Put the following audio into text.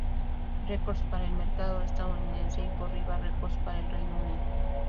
Records para el mercado estadounidense y por Riva Records para el Reino Unido.